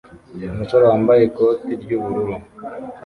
Umusore wambaye ikoti ry'ubururu